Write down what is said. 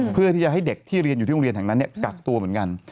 เพื่อที่จะให้เด็กที่เรียนอยู่ที่โรงเรียนแห่งนั้นกักตัวเหมือนกัน